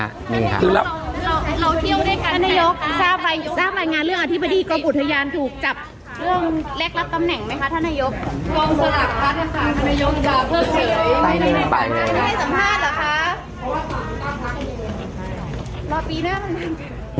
ท่านนายกทราบรายงานเรื่องอธิบดีกูบุตยานถูกจับเรื่อง